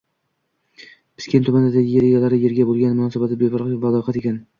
Pskent tumanida yer egalari yerga bo`lgan munosabati befarq va loqayd ekan.